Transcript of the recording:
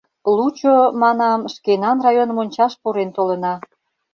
— Лучо, манам, шкенан район мончаш пурен толына.